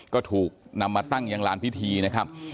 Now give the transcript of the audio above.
ก็ถูกนำมาตั้งยังลานพิธีนะครับ